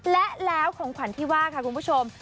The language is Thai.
และแล้วของขวัญที่ว่าค่ะคุณผู้ชม